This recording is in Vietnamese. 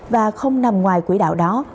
và không nằm ngoài quỹ đạo đó